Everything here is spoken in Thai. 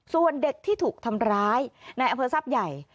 ส่วนเด็กที่ถูกทำร้ายในอันพฤศัพท์ใหญ่